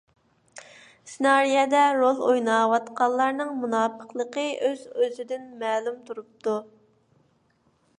سېنارىيەدە رول ئويناۋاتقانلارنىڭ مۇناپىقلىقى ئۆز ئۆزىدىن مەلۇم تۇرۇپتۇ.